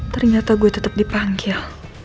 ternyata gue tetap dipanggil